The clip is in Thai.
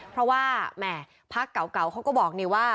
เพราะว่าแหม่พักเก่าเขาก็บอกนี่ว่า